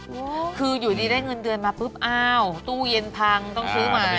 โอ้โหคืออยู่ดีได้เงินเดือนมาปุ๊บอ้าวตู้เย็นพังต้องซื้อใหม่